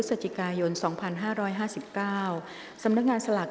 กรรมการท่านที่สามได้แก่กรรมการใหม่เลขหนึ่งค่ะ